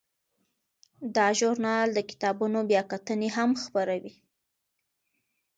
دا ژورنال د کتابونو بیاکتنې هم خپروي.